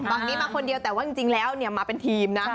ฝั่งนี้มาคนเดียวแต่ว่าจริงแล้วมาเป็นทีมนะ